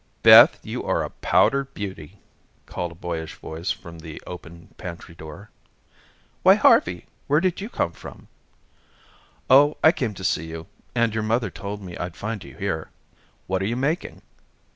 "Beth, you are a powdered beauty," called a boyish voice from the open pantry door. "Why, Harvey, where did you come from?" "Oh, I came to see you, and your mother told me I'd find you here. What are you making?"